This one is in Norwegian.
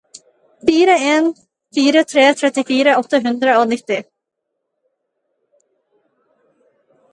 fire en fire tre trettifire åtte hundre og nitti